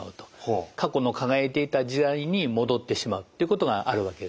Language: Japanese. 過去の輝いていた時代に戻ってしまうっていうことがあるわけですね。